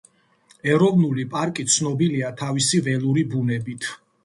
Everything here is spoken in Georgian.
ეროვნული პარკი ცნობილია თავისი ველური ბუნებით.